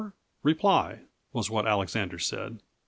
reply," was what Alexander said.